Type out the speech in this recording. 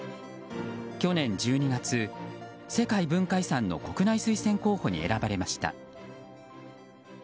去年１２月、世界文化遺産の国内推薦候補に選ばれました。